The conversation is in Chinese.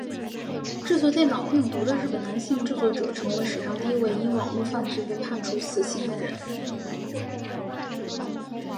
制作电脑病毒的日本男性制作者成为史上第一位因网路犯罪被判处死刑的人。